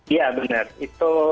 iya benar itu